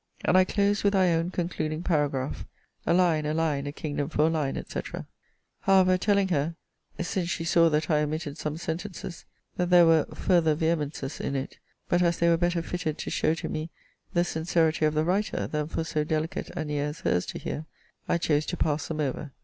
And I closed with thy own concluding paragraph, A line! a line! a kingdom for a line! &c. However, telling her (since she saw that I omitted some sentences) that there were farther vehemences in it; but as they were better fitted to show to me the sincerity of the writer than for so delicate an ear as her's to hear, I chose to pass them over.